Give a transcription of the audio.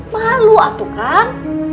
malu atuh kan